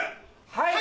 はい！